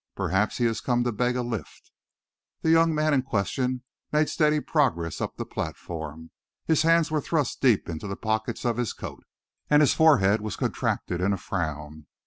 "Perhaps he has come to beg a lift." The young man in question made steady progress up the platform. His hands were thrust deep into the pockets of his coat, and his forehead was contracted in a frown.